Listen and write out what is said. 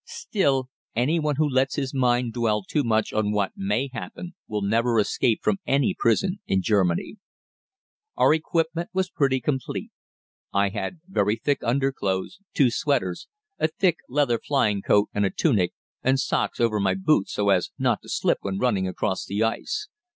Still, any one who lets his mind dwell too much on what may happen will never escape from any prison in Germany. Our equipment was pretty complete. I had very thick underclothes, two sweaters, a thick leather flying coat and a tunic, and socks over my boots so as not to slip when running across the ice.